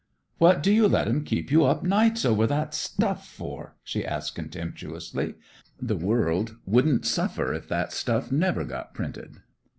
"What do you let 'em keep you up nights over that stuff for?" she asked contemptuously. "The world wouldn't suffer if that stuff never got printed."